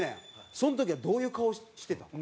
その時はどういう顔してた？